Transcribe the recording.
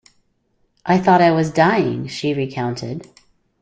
"I thought I was dying," she recounted.